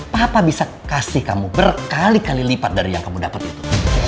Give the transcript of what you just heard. papa bisa kasih kamu berkali kali lipat dari yang kamu dapat itu